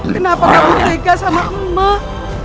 kenapa kau tega sama emak